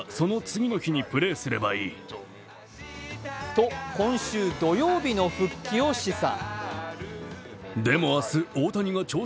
と今週土曜日の復帰を示唆。